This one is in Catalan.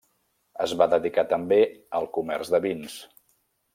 Es va dedicar també al comerç de vins.